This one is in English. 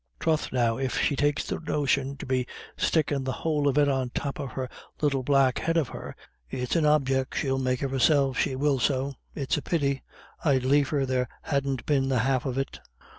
Troth, now, if she takes the notion to be stickin' the whole of it on top of the little black head of her, it's an objec' she'll make of herself, she will so. It's a pity. I'd liefer there hadn't been the half of it."